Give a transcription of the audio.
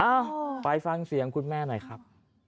เอ้าไปฟังเสียงคุณแม่หน่อยครับ